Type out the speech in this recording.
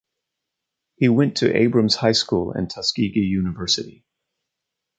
He went to Abrams High School and Tuskegee University.